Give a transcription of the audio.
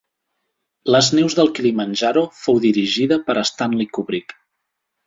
Les neus del Kilimanjaro fou dirigida per Stanley Kubrick.